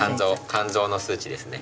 肝臓の数値ですね。